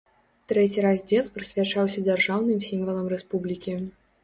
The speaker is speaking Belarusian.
Трэці раздзел прысвячаўся дзяржаўным сімвалам рэспублікі.